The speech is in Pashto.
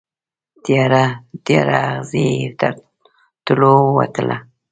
تیاره، تیاره اغزې یې تر تلو ووتله